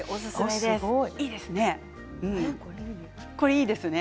いいですね。